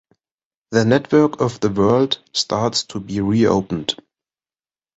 The network of the world starts to be reopened.